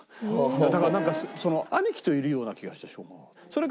だからなんか兄貴といるような気がしてしょうがなかった。